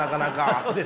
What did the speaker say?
そうですか。